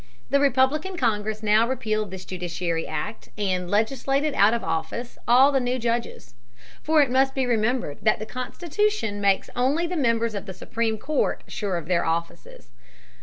The Republican Congress now repealed this Judiciary Act and "legislated out of office" all the new judges. For it must be remembered that the Constitution makes only the members of the Supreme Court sure of their offices.